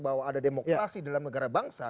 bahwa ada demokrasi dalam negara bangsa